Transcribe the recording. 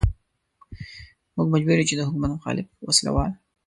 موږ مجبور يو چې د حکومت مخالف وسله وال.